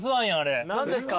何ですか？